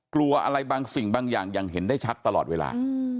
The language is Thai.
กลัวอะไรบางสิ่งบางอย่างอย่างเห็นได้ชัดตลอดเวลา